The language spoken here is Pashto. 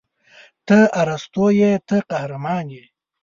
ته اسطوره یې ته قهرمان یې